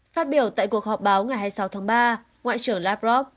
phát biểu tại cuộc họp báo ngày hai mươi sáu tháng ba ngoại trưởng lavrov